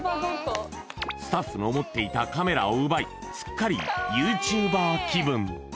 スタッフの持っていたカメラを奪いすっかりＹｏｕＴｕｂｅｒ気分